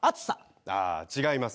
ああ違います。